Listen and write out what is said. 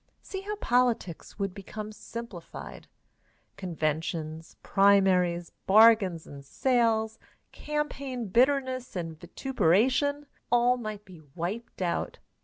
See how politics would become simplified. Conventions, primaries, bargains and sales, campaign bitterness and vituperation all might be wiped out.